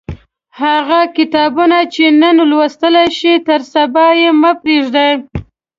هغه کتابونه چې نن لوستلای شئ تر سبا یې مه پریږدئ.